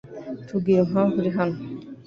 Tubwire impamvu uri hano .